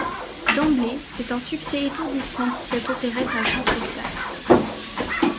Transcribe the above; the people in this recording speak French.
D'emblée, c'est un succès étourdissant pour cette opérette à grand spectacle.